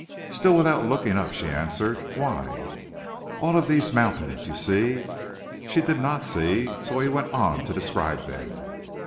Still without looking up she answered: "Why?" "All of these mountains you see?" She did not see, so he went on to describe them.